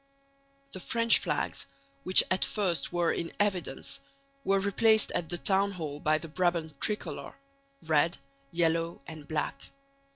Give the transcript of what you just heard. The French flags, which at first were in evidence, were replaced at the Town Hall by the Brabant tricolor red, yellow and black.